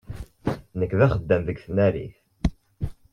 Nekk d axeddam deg tnarit.